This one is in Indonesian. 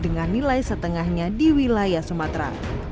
dengan nilai setengahnya di wilayah sumatera